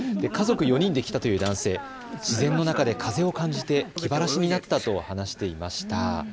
家族４人で来たという男性、自然の中で風を感じて気晴らしになったと話していました。